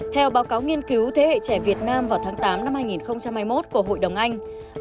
theo báo cáo nghiên cứu thế hệ trẻ việt nam vào tháng tám năm hai nghìn hai mươi một của hội đồng anh